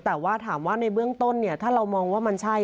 แต่ว่าถามว่าในเบื้องต้นเนี่ยถ้าเรามองว่ามันใช่